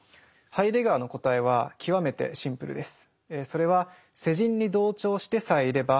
ハイデガーの答えは極めてシンプルです。